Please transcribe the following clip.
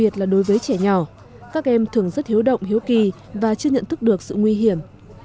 trẻ nhỏ các em thường rất hiếu động hiếu kỳ và chưa nhận thức được sự nguy hiểm